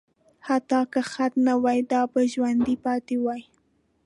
حتی که خط نه وای، دا به ژوندي پاتې وو.